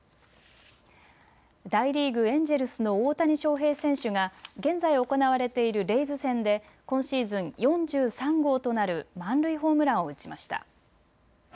大リーグ、エンジェルスの大谷翔平選手が現在行われているレイズ戦で今シーズン４３号となる満塁ホームランを打ちました。